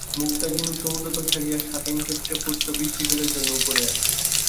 মুক্তা-ঝিনুক সমুদ্রতল ছাড়িয়া স্বাতীনক্ষত্রে পতিত বৃষ্টি-জলের জন্য উপরে আসে।